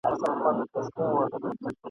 بغدادي قاعده په څنګ کي توری ورک د الف لام دی ..